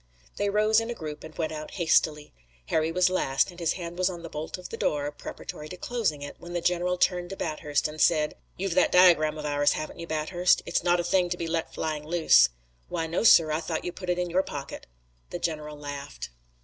They rose in a group and went out hastily. Harry was last, and his hand was on the bolt of the door, preparatory to closing it, when the general turned to Bathurst and said: "You've that diagram of ours, haven't you, Bathurst? It's not a thing to be left lying loose." "Why, no, sir, I thought you put it in your pocket." The general laughed.